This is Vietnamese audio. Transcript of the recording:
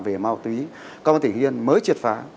về ma túy công an tỉnh yên mới triệt phá